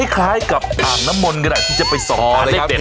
คล้ายกับอ่างน้ำมนต์ก็ได้ที่จะไปส่องหาเลขเด็ด